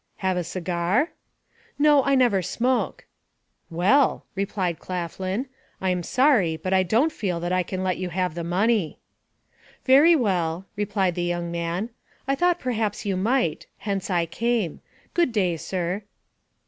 "Have a cigar?" "No, I never smoke." "Well," replied Claflin, "I am sorry but I don't feel that I can let you have the money." "Very well," replied the young man, "I thought perhaps you might; hence I came. Good day, sir."